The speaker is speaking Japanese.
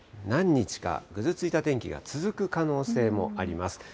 何日か、ぐずついた天気が続く可能性もあります。